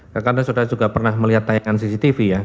karena saudara juga pernah melihat tayangan cctv ya